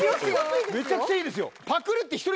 めちゃくちゃいいですよ。